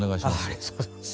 ありがとうございます。